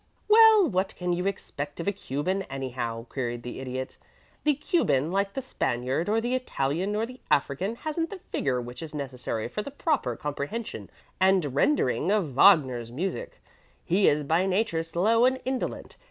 "Well, what can you expect of a Cuban, anyhow?" queried the Idiot. "The Cuban, like the Spaniard or the Italian or the African, hasn't the vigor which is necessary for the proper comprehension and rendering of Wagner's music. He is by nature slow and indolent.